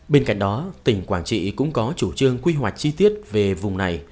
bên cạnh đó tỉnh quảng trị cũng có chủ trương quy hoạch chi tiết về vùng này